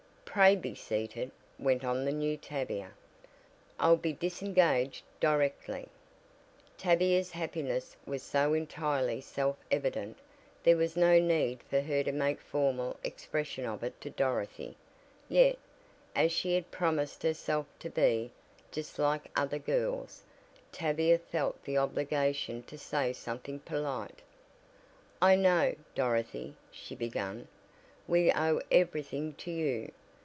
"Pray be seated," went on the new Tavia, "I'll be disengaged directly." Tavia's happiness was so entirely self evident there was no need for her to make formal expression of it to Dorothy, yet, as she had promised herself to be "just like other girls" Tavia felt the obligation to say something polite. "I know, Dorothy," she began, "we owe everything to you.